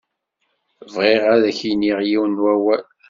Bɣiɣ ad ak-iniɣ yiwen n wawal.